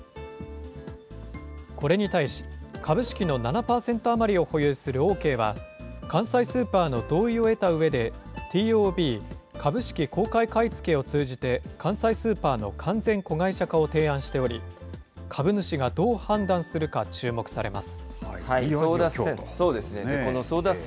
これに対し、株式の７％余りを保有するオーケーは、関西スーパーの同意を得たうえでＴＯＢ・株式公開買い付けを通じて、関西スーパーの完全子会社化を提案しており、株主がどう判断争奪戦。